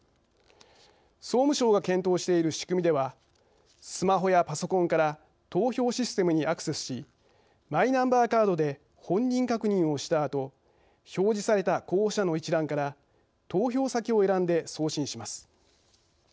総務省が検討している仕組みではスマホやパソコンから投票システムにアクセスしマイナンバーカードで本人確認をしたあと表示された候補者の一覧から投票先を選んで送信します。